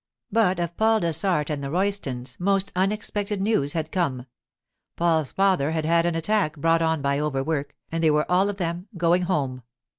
But of Paul Dessart and the Roystons most unexpected news had come. Paul's father had had an 'attack' brought on by overwork, and they were all of them going home.